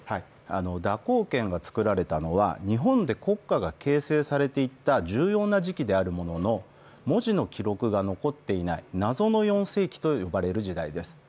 蛇行剣が作られたのは、日本で国家が形成されていった重要な時期であるものの、文字の記録が残っていない謎の４世紀と呼ばれる時代です。